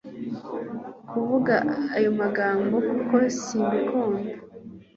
kuvuga ayo magambo kuko simbikunda